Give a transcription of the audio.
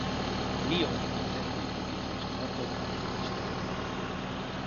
Lyon intenzív kiképzést tartott a milicistáknak.